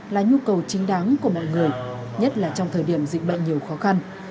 là nhu cầu chính đáng của mọi người nhất là trong thời điểm dịch bệnh nhiều khó khăn